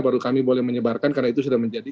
baru kami boleh menyebarkan karena itu sudah menjadi